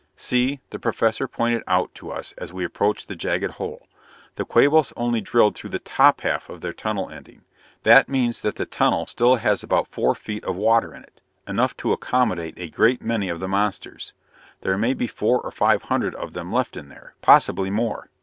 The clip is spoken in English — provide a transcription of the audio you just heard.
"See," the Professor pointed out to us as we approached the jagged hole, "the Quabos only drilled through the top half of their tunnel ending. That means that the tunnel still has about four feet of water in it enough to accommodate a great many of the monsters. There may be four or five hundred of them left in there; possibly more.